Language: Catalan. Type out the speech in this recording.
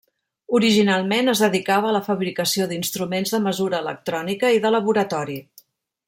Originalment es dedicava a la fabricació d'instruments de mesura electrònica i de laboratori.